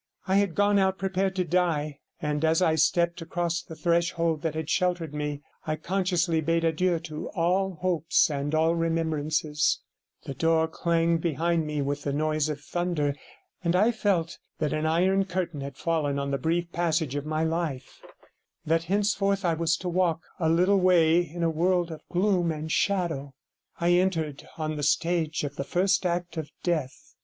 I had gone out prepared to die, and as I stepped across the threshold that had sheltered me, I consciously bade adieu to all hopes and all remembrances; the door clanged behind me with the noise of thunder, and I felt that an iron curtain had fallen on the brief passage of my life, that henceforth I was to walk a little way in a world of gloom and shadow; I entered on the stage of the first act of death.